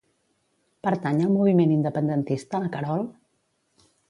Pertany al moviment independentista la Carol?